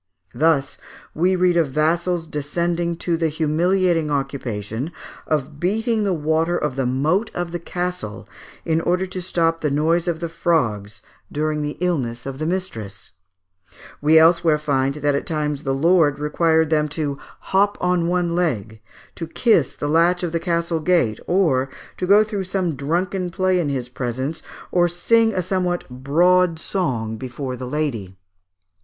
Thus, we read of vassals descending to the humiliating occupation of beating the water of the moat of the castle, in order to stop the noise of the frogs, during the illness of the mistress; we elsewhere find that at times the lord required of them to hop on one leg, to kiss the latch of the castle gate, or to go through some drunken play in his presence, or sing a somewhat broad song before the lady.